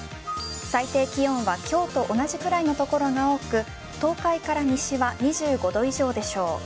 最低気温は今日と同じくらいの所が多く東海から西は２５度以上でしょう。